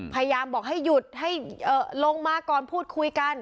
พยายามบอกให้หยุดให้ลงมาก่อนพูดคุยกัน